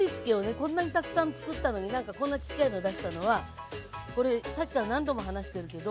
こんなにたくさん作ったのにこんなちっちゃいので出したのはこれさっきから何度も話してるけど。